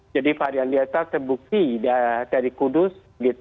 jadi varian delta terbukti dari kudus